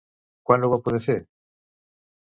Quan ho va poder fer?